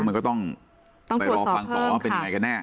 มันก็ต้องรอฟังเพราะเป็นยังไงกันแน่